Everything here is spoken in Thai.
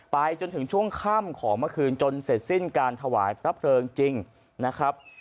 ไปจนถึงช่วงค่ำของเมื่อคืนจนเสร็จสิ้นการถวายพระเพลิงจริงนะครับ